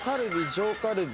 上カルビ。